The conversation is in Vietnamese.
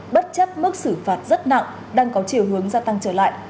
bất chấp mức xử phạt rất nặng đang có chiều hướng gia tăng trở lại